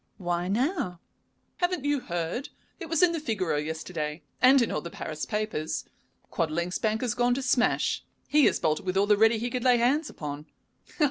"Why now?" "Haven't you heard? It was in the Figaro yesterday, and in all the Paris papers. Quadling's bank has gone to smash; he has bolted with all the 'ready' he could lay hands upon."